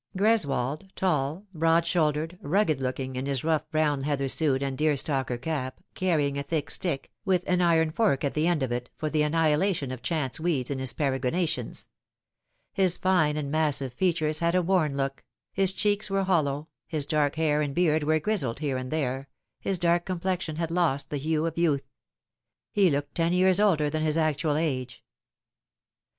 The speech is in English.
Greswold, tall, broad shouldered, rugged looking, in his rough brown heather suit and deerstalker cap, carrying a thick stick, with an iron fork at the end of it, for the annihilation of chance weeds in his peregrinations. His fine and massive features had a worn look, his cheeks were hollow, his dark hair and beard were grizzled here and there, his dark complexion had lost the hue of youth. He looked ten years older than his actual age.